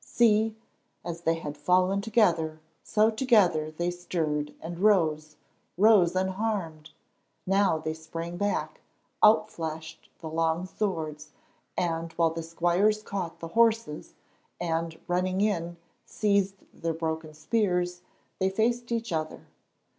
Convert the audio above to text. See! As they had fallen together, so together they stirred and rose—rose unharmed. Now they sprang back, out flashed the long swords, and, while the squires caught the horses and, running in, seized the broken spears, they faced each other.